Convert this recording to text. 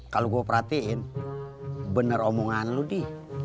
kalau gue perhatiin bener omongan lo di